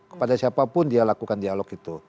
kepada siapapun dia lakukan dialog itu